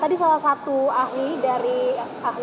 tadi salah satu ahli dari ahli bukun tata negara